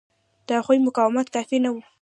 د هغوی مقاومت کافي نه و.